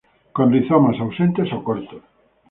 Con rizomas ausentes o cortos.